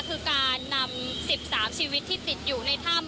คือการนำ๑๓ชีวิตที่ติดอยู่ในถ้ำ